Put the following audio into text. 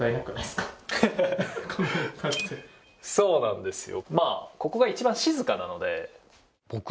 そうなんですよ。